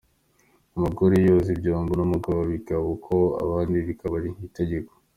Umugore yoza ibyombo n’ umugabo bikaba uko kandi bikaba ari nk’ itegeko.